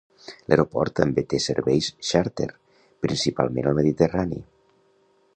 L'aeroport també té serveis xàrter, principalment al Mediterrani.